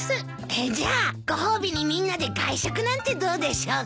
じゃあご褒美にみんなで外食なんてどうでしょうか？